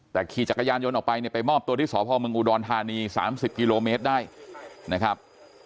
แต่ขี่จักรยานยนต์ออกไปเนี่ยไปมอบตัวที่สพเมืองอุดรธานี๓๐กิโลเมตรได้นะครับ